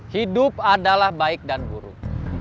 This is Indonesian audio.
hidup adalah baik dan buruk